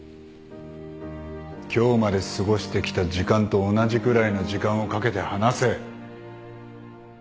今日まで過ごしてきた時間と同じくらいの時間をかけて話せ。